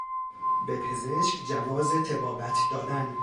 به پزشک جواز طبابت دادن